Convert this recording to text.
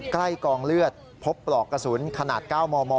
ใกล้กองเลือดพบปลอกกระสุนขนาด๙มม